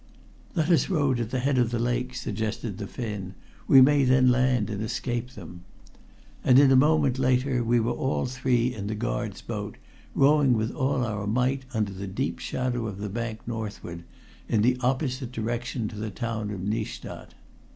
"Let us row to the head of the lake," suggested the Finn. "We may then land and escape them." And a moment later we were all three in the guards' boat, rowing with all our might under the deep shadow of the bank northward, in the opposite direction to the town of Nystad.